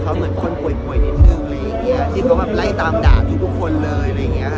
เขาเหมือนคนผ่วยนิดนึงที่เขาไล่ตามด่าทุกคนเลย